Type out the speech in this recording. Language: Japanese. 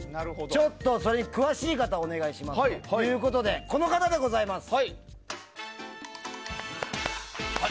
ちょっと詳しい方もお願いしますということでこの方でございます！